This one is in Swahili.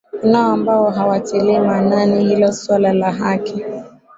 kunao ambao hawatilii maanani hilo swala la haki